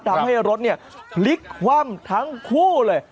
ทำให้รถพลิกคว่ำทั้งคู่เลย